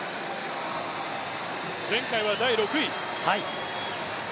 前回は第６位。